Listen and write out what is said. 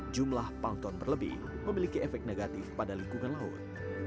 jumlah plankton berlebih memiliki efek negatif pada lingkungan laut